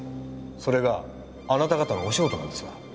それがあなた方のお仕事なんですから。